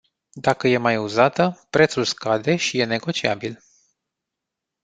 Dacă e mai uzată, prețul scade și e negociabil.